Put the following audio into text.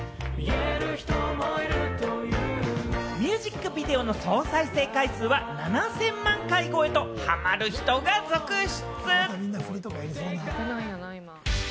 ミュージックビデオの総再生回数は７０００万回超えとハマる人が続出。